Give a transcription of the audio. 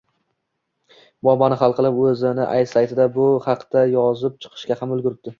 muammoni hal qilib o‘zini saytida bu haqida yozib chiqishga ham ulguribdi.